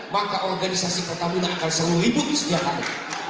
maka organisasi pertamina akan selalu ribut setiap hari